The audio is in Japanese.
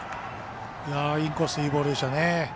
インコースいいボールでしたね。